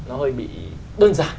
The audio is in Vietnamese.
nó hơi bị đơn giản